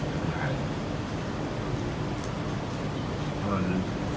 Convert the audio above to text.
เมื่อก่อนของท่านผมสองท่องขอบคุณทุกคน